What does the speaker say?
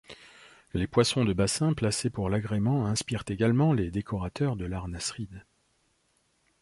Les poissons de bassin placés pour l'agrément inspirent également les décorateurs de l'art nasride.